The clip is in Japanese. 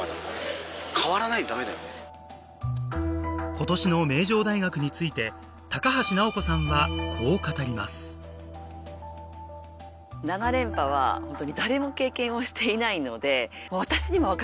今年の名城大学について高橋尚子さんはこう語ります実は。となると。